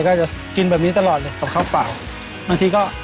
เก็บเงินตลอดเก็บเงินตลอดเก็บเงินตลอดแม่ใจร้าย